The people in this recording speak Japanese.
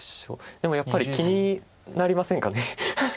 でもやっぱり気になりませんか。